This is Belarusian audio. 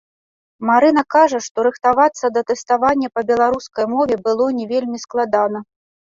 Марына кажа, што рыхтавацца да тэставання па беларускай мове было не вельмі складана.